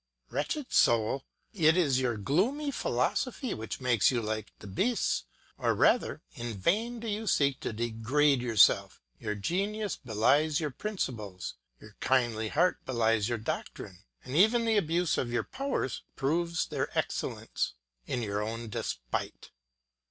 Wretched soul, it is your gloomy philosophy which makes you like the beasts; or rather in vain do you seek to degrade yourself; your genius belies your principles, your kindly heart belies your doctrines, and even the abuse of your powers proves their excellence in your own despite.